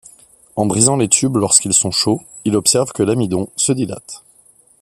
En brisant les tubes lorsqu'ils sont chauds, il observe que l'amidon se dilate.